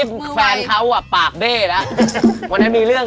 ตอนนี้แฟนเขาอะปากเบ่แล้ววันนั้นมีเรื่องอะ